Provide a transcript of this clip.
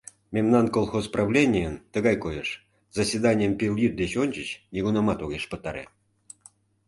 Мемнан колхоз правленийын тыгай койыш: заседанийым пелйӱд деч ончыч нигунамат огеш пытаре.